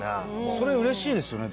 それうれしいですよね？